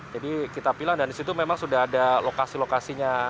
jadi kita pilah dan di situ memang sudah ada lokasi lokasinya